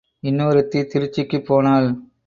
இன்னொருத்தி திருச்சிக்குப் போனாள்.